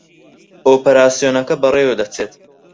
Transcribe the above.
ئۆپراسیۆنەکە بەڕێوە دەچێت